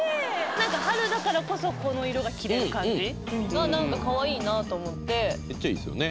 何か春だからこそこの色が着れる感じが何かかわいいなと思ってめっちゃいいっすよね